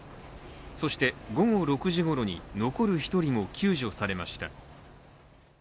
そして、午後６時ごろに残る１人も救助されました。